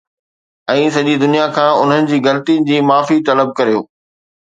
۽ سڄي دنيا کان انهن جي غلطين جي معافي طلب ڪريو